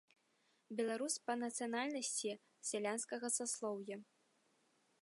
Беларус па нацыянальнасці, з сялянскага саслоўя.